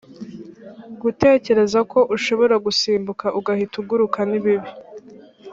gutekereza ko ushobora gusimbuka ugahita uguruka nibibi